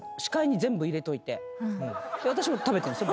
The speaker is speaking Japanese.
私も食べてるんですよ